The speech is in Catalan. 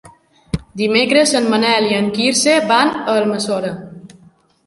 Dimecres en Manel i en Quirze van a Almassora.